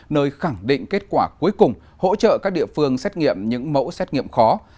nơi khẳng định kết quả cuối cùng hỗ trợ các địa phương xét nghiệm những mẫu xét nghiệm khó